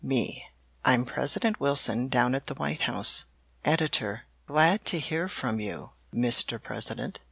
"Me I'm President Wilson, down at the White House. "Editor Glad to hear from you, Mr. President.